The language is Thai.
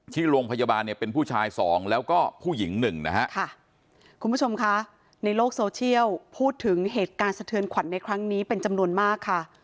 ที่โรงพยาบาลเนี่ยเป็นผู้ชายสองแล้วก็ผู้หญิงหนึ่งนะฮะค่ะคุณผู้ชมคะในโลกโซเชียลพูดถึงเหตุการณ์สะเทือนขวัญในครั้งนี้เป็นจำนวนมากค่ะ